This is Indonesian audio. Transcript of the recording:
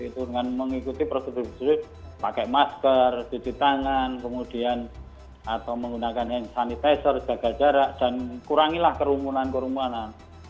dengan mengikuti prosedur prosedur pakai masker cuci tangan kemudian atau menggunakan hand sanitizer jaga jarak dan kurangilah kerumunan kerumunan